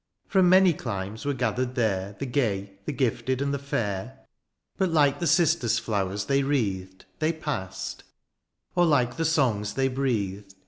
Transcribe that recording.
From many climes were gathered there, The gay, the gifted, and the fair ; But like the cistus flowers they wreathed. They past ; or like the songs they breathed.